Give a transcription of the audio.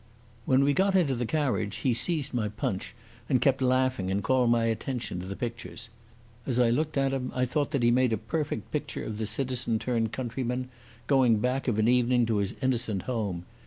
When we got into the carriage he seized my Punch and kept laughing and calling my attention to the pictures. As I looked at him, I thought that he made a perfect picture of the citizen turned countryman, going back of an evening to his innocent home.